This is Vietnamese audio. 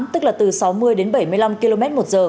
tức là từ sáu mươi đến bảy mươi năm km một giờ